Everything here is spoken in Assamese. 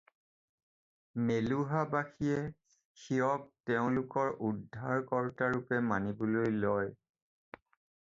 মেলুহাবাসীয়ে শিৱক তেওঁলোকৰ উদ্ধাৰকৰ্তাৰূপে মানিবলৈ লয়।